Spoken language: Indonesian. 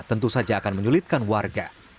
tentu saja akan menyulitkan warga